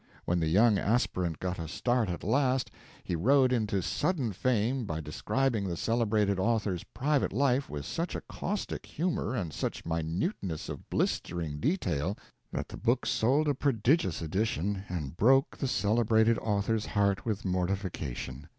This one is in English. When the young aspirant got a start at last, he rode into sudden fame by describing the celebrated author's private life with such a caustic humor and such minuteness of blistering detail that the book sold a prodigious edition, and broke the celebrated author's heart with mortification.